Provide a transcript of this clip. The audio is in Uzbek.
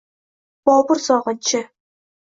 Bobur sog‘inchi